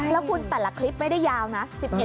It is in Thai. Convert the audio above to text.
แล้วคุณแต่ละคลิปไม่ได้ยาวนะ